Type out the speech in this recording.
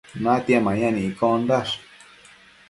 natia mayan iccondash